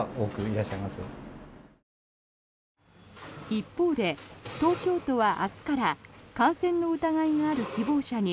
一方で東京都は明日から感染の疑いがある希望者に